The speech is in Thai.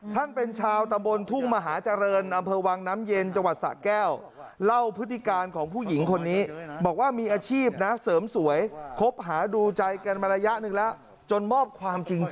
ท่านเป็นชาวตะบลทุ่งมหาจริงอำเภอวังน้ำเย็นจังหวัดสะแก้ว